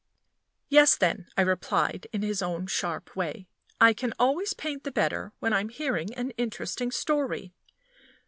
"Yes, then," I replied, in his own sharp way. "I can always paint the better when I am hearing an interesting story."